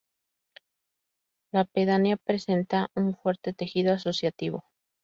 La pedanía presenta un fuerte tejido asociativo.